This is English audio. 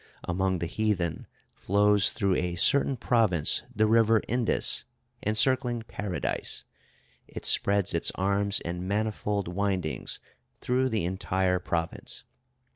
"Among the heathen, flows through a certain province the River Indus; encircling Paradise, it spreads its arms in manifold windings through the entire province.